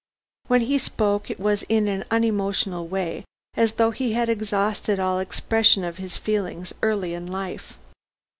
When he spoke it was in an unemotional way, as though he had exhausted all expression of his feelings early in life.